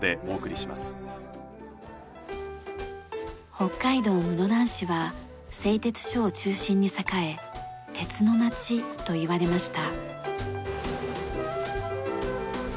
北海道室蘭市は製鉄所を中心に栄え「鉄のまち」といわれました。